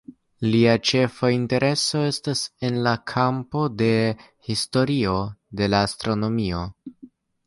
Lia ĉefa intereso estas en la kampo de la historio de la astronomio.